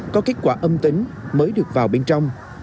có kết quả âm tính mới được vào bên trong